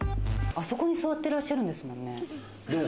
あそこに座ってらっしゃるんですもんね。